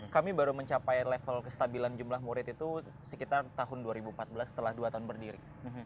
kami baru mencapai level kestabilan jumlah murid itu sekitar tahun dua ribu empat belas setelah dua tahun berdiri